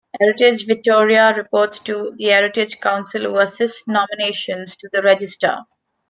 Heritage Victoria reports to the Heritage Council who assess nominations to the register.